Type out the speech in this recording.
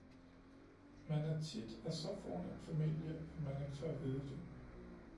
Man er tit af så fornem familie, at man ikke tør vide det